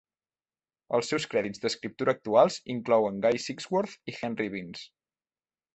Els seus crèdits d'escriptura actuals inclouen Guy Sigsworth i Henry Binns.